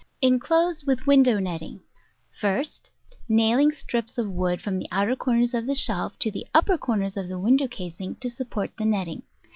Inclose with window netting, first nailing strips of wood from the outer corners of the shelf to the upper corners of the window casing to support the netting.